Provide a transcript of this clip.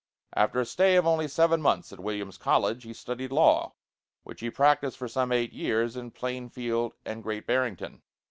After a stay of only seven months at Williams College, he studied law, which he practiced for some eight years in Plainfield and Great Barrington.